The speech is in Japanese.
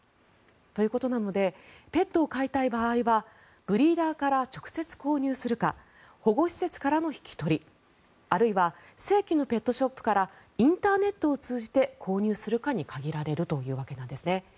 ということなのでペットを飼いたい場合はブリーダーから直接購入するか保護施設からの引き取りあるいは正規のペットショップからインターネットを通じて購入するかに限られるというわけなんですね。